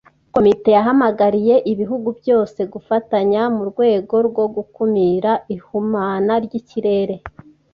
Komite yahamagariye ibihugu byose gufatanya mu rwego rwo gukumira ihumana ry’ikirere.